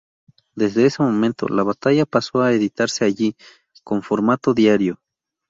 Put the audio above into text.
Desde ese momento "La Batalla" pasó a editarse allí, con formato diario.